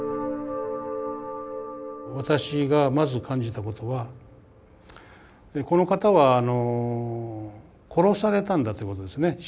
私がまず感じたことはこの方は殺されたんだということですね。